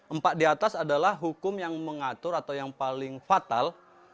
empat di atas adalah hukum yang mengatur atau yang paling fatal